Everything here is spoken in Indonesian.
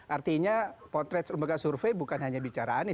artinya potret lembaga survei bukan hanya bicara anies